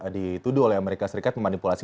dituduh oleh amerika serikat memanipulasi